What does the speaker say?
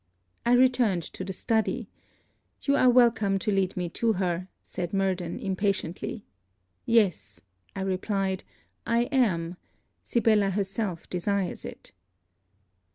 I returned to the study. 'You are come to lead me to her,' said Murden, impatiently. 'Yes,' I replied, 'I am. Sibella herself desires it.'